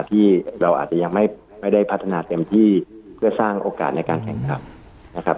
ที่เราอาจจะยังไม่ได้พัฒนาเต็มที่เพื่อสร้างโอกาสในการแข่งขันนะครับ